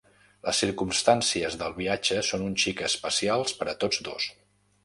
Les circumstàncies del viatge són un xic especials per a tots dos.